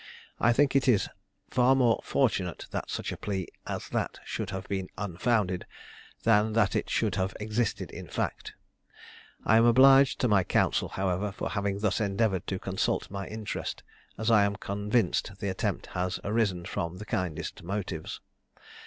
I think it is far more fortunate that such a plea as that should have been unfounded, than that it should have existed in fact. I am obliged to my counsel, however, for having thus endeavoured to consult my interest, as I am convinced the attempt has arisen from the kindest motives.